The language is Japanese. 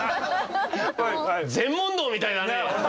禅問答みたいだね。